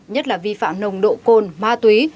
nhất là vi phạm nồng độ cồn ma túy